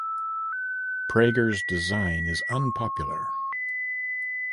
Prager's design is unpopular.